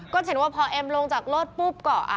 ก็เห็นว่าพอเอ็มลงจากรถปุ๊บก็